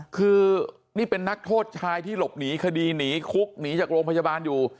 คือนี่เป็นนักโทษชายที่หลบหนีคดีหนีคุกหนีจากโรงพยาบาลอยู่